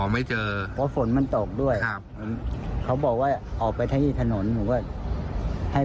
อ๋อไม่เจอครับเพราะฝนมันตกด้วย